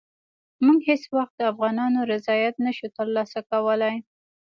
موږ هېڅ وخت د افغانانو رضایت نه شو ترلاسه کولای.